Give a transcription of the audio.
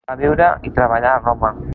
Va viure i treballar a Roma.